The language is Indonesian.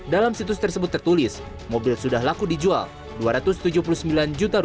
dalam situs tersebut tertulis mobil sudah laku dijual rp dua ratus tujuh puluh sembilan juta